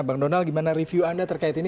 bang donald bagaimana review anda terkait ini